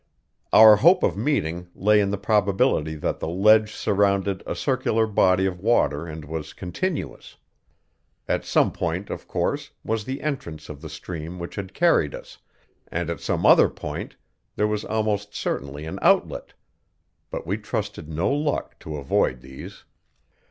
Our hope of meeting lay in the probability that the ledge surrounded a circular body of water and was continuous. At some point, of course, was the entrance of the stream which had carried us, and at some other point there was almost certainly an outlet; but we trusted to luck to avoid these.